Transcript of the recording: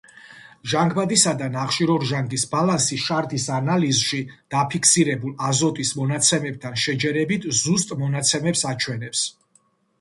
ჟანგბადისა და ნახშირორჟანგის ბალანსი შარდის ანალიზში დაფიქსირებულ აზოტის მონაცემებთან შეჯერებით, ზუსტ მონაცემებს აჩვენებს.